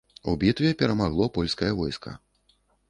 У бітве перамагло польскае войска.